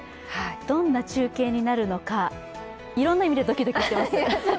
どんな中継になるのか、いろんな意味でドキドキしてます。